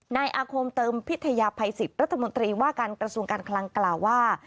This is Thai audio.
นายอาคมเติมพิทยาภัยสิทธิ์รัฐมนตรีว่าการกระทรวงการคลังกล่าวว่า